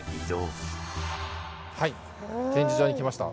はい展示場に来ました。